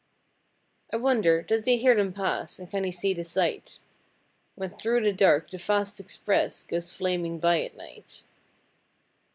I wonder does he hear them pass and can he see the sight, When through the dark the fast express goes flaming by at night.